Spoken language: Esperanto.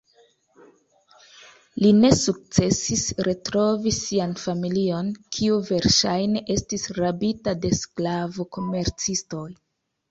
Li ne sukcesis retrovi sian familion, kiu verŝajne estis rabita de sklavo-komercistoj.